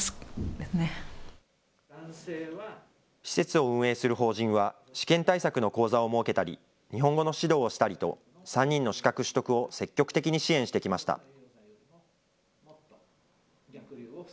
施設を運営する法人は、試験対策の講座を設けたり、日本語の指導をしたりと、３人の資格取得を積極的に支援してきました。